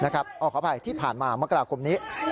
ขออภัยที่ผ่านมามกราคมนี้